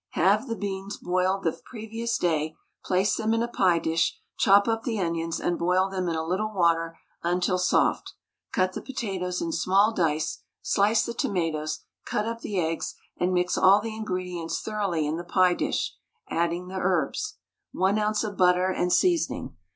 Have the beans boiled the previous day, place them in a pie dish, chop up the onions and boil them in a little water until soft, cut the potatoes in small dice, slice the tomatoes, cut up the eggs, and mix all the ingredients thoroughly in the pie dish, adding the herbs, 1 oz. of butter, and seasoning.